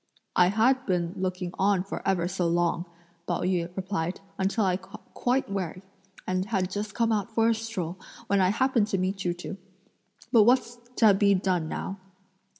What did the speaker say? "I had been looking on for ever so long," Pao yü replied, "until I got quite weary; and had just come out for a stroll, when I happened to meet you two. But what's to be done now?"